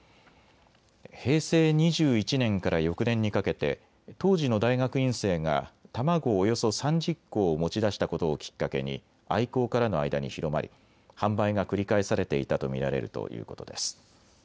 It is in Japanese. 平成２１年から翌年にかけて当時の大学院生が卵およそ３０個を持ち出したことをきっかけに愛好家らの間に広まり販売が繰り返されていたと見られるということです。